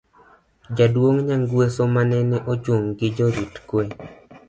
jaduong' Nyangweso manene ochung' gi jorit kwe